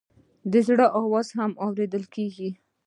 د زړه آواز هم اورېدل کېږي.